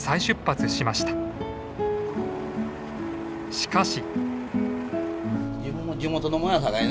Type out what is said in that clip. しかし。